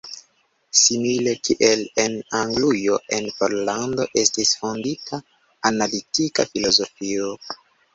Simile kiel en Anglujo en Pollando estis fondita analitika filozofio.